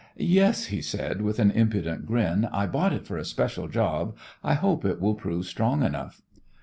"Yes," he said, with an impudent grin, "I bought it for a special job. I hope it will prove strong enough."